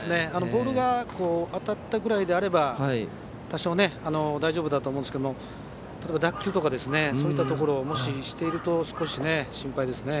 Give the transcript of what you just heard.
ボールが当たったぐらいなら多少、大丈夫だとは思うんですが脱臼とかそういったことをもし、していると少し心配ですね。